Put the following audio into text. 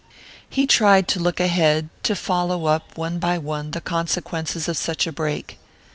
He tried to look ahead, to follow up, one by one, the consequences of such a break.